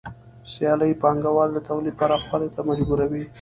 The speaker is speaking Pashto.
سیالي پانګوال د تولید پراخوالي ته مجبوروي